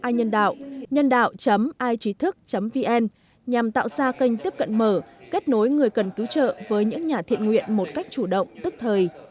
www inhânđạo igthức vn nhằm tạo ra kênh tiếp cận mở kết nối người cần cứu trợ với những nhà thiện nguyện một cách chủ động tức thời